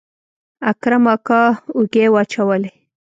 اکرم اکا اوږې واچولې.